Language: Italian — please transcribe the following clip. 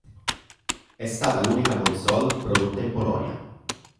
È stata l'unica console prodotta in Polonia.